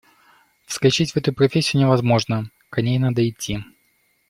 Вскочить в эту профессию невозможно, к ней надо идти.